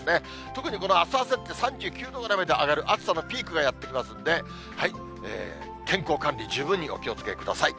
特にこのあす、あさって、３９度まで上がる暑さのピークがやって来ますんで、健康管理、十分にお気をつけください。